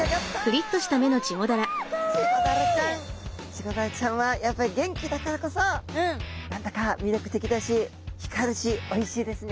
チゴダラちゃんはやっぱり元気だからこそ何だか魅力的だし光るしおいしいですね。